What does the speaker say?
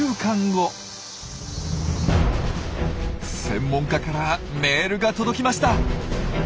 専門家からメールが届きました。